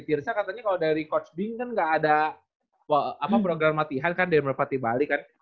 tirsa katanya kalau dari coach bing kan gak ada program latihan kan dari merpati bali kan